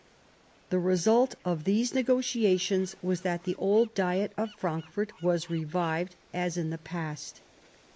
The result of these negotiations was that the old Diet of Frankfort was revived, as in the past.